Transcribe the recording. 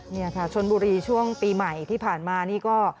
นี่ค่ะชนบุรีช่วงปีใหม่ที่ผ่านมานี่ก็